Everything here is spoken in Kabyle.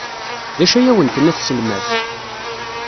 D acu ay awen-tenna tselmadt?